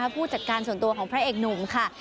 ผู้จัดการส่วนตัวของพระเอกหนุ่มค่ะ